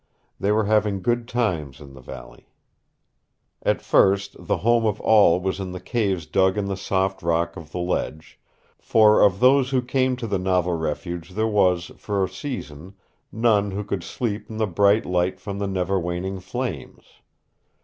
They were having good times in the valley. At first, the home of all was in the caves dug in the soft rock of the ledge, for of those who came to the novel refuge there was, for a season, none who could sleep in the bright light from the never waning flames.